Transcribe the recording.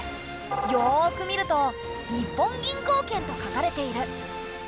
よく見ると日本銀行券と書かれている。